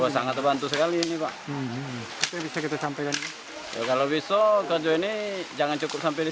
sangat bantu sekali ini pak bisa kita sampai kalau besok kerja ini jangan cukup sampai di